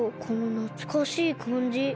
このなつかしいかんじ。